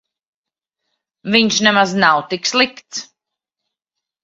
Viņš nav nemaz tik slikts.